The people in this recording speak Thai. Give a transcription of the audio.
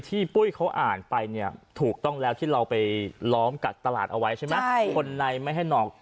ที่ปุ้ยเขาอ่านไปถูกต้องแล้วว่าเราไปล้อมกับตลาดเอาไว้ใช่ไหม